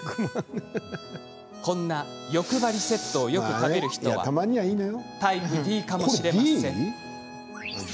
こんな欲張りセットをよく食べる人はタイプＤかもしれませんこれＤ？